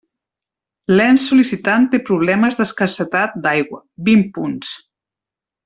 L'ens sol·licitant té problemes d'escassetat d'aigua: vint punts.